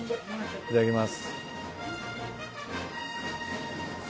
いただきます。